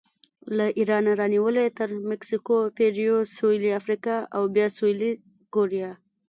له ایرانه رانیولې تر مکسیکو، پیرو، سویلي افریقا او بیا سویلي کوریا